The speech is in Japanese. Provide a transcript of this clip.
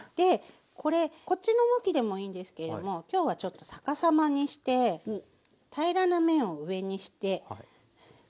これこっちの向きでもいいんですけれども今日はちょっと逆さまにして平らな面を上にしていきたいと思います。